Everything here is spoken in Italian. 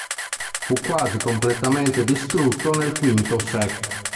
Fu quasi completamente distrutto nel V sec.